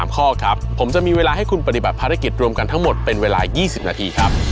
ข้อครับผมจะมีเวลาให้คุณปฏิบัติภารกิจรวมกันทั้งหมดเป็นเวลา๒๐นาทีครับ